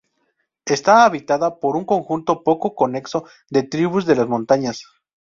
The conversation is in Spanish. Está habitada por un conjunto poco conexo de tribus de las montañas.